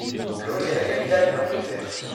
Londres est la capitale de l'Angleterre.